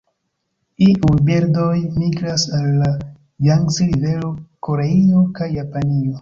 Iuj birdoj migras al la Jangzi-rivero, Koreio, kaj Japanio.